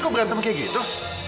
kok berantem kayak gitu